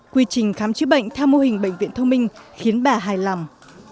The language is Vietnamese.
quy trình khám chữa bệnh theo mô hình bệnh viện thông minh khiến bà hài lòng